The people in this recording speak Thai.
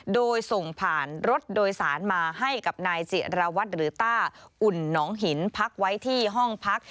โดยส่งผ่านรถโดยสารมาให้กับนายจิรวัตรหรือต้าอุ่นหนองหินพักไว้ที่ห้องพัก